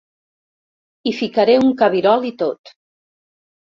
Hi ficaré un cabirol i tot.